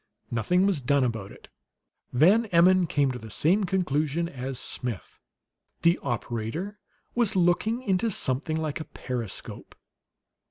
Nothing was done about it. Van Emmon came to the same conclusion as Smith; the operator was looking into something like a periscope.